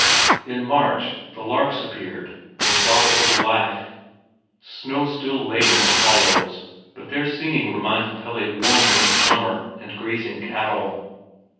In March the larks appeared and brought a little life. Snow still lay in the hollows, but their singing reminded Pelle warmly of summer and grazing cattle.